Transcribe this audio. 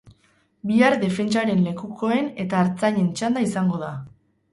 Bihar defentsaren lekukoen eta ertzainen txanda izango da.